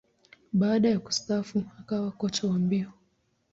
Baada ya kustaafu, akawa kocha wa mbio.